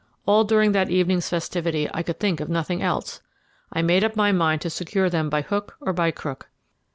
All during that evening's festivity I could think of nothing else. I made up my mind to secure them by hook or by crook.